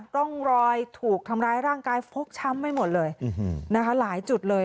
ร่องรอยถูกทำร้ายร่างกายฟกช้ำไปหมดเลยนะคะหลายจุดเลย